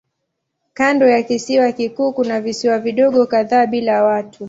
Kando ya kisiwa kikuu kuna visiwa vidogo kadhaa bila watu.